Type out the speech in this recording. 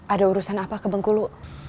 ada urusan apa ke bengkulu